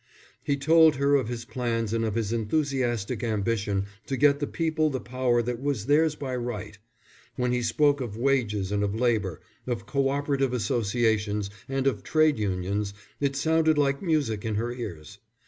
He told her of his plans and of his enthusiastic ambition to get the people the power that was theirs by right. When he spoke of wages and of labour, of Co operative Associations and of Trades Unions, it sounded like music in her ears.